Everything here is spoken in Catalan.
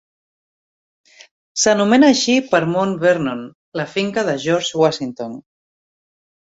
S'anomena així per Mount Vernon, la finca de George Washington.